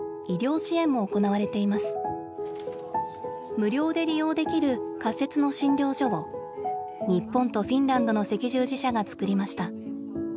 無料で利用できる仮設の診療所を日本とフィンランドの赤十字社が作りました。